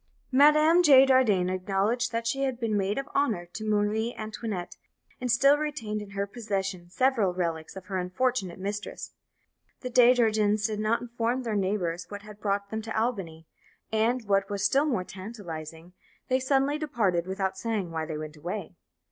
Madame de Jardin acknowledged that she had been maid of honour to Marie Antoinette, and still retained in her possession several relics of her unfortunate mistress. The De Jardins did not inform their neighbours what had brought them to Albany, and, what was still more tantalizing, they suddenly departed without saying why they went away.